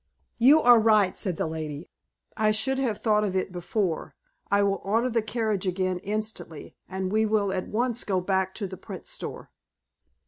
"You are right," said the lady. "I should have thought of it before. I will order the carriage again instantly, and we will at once go back to the print store."